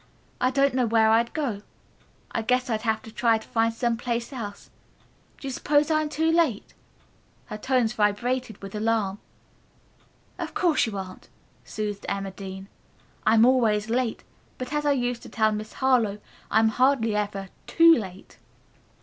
I don't know where I'd go. I guess I'd have to try to find some place else. Do you suppose I am too late?" Her tones vibrated with alarm. "Of course you aren't," soothed Emma Dean. "I'm always late, but, as I used to tell Miss Harlowe, I am hardly ever too late.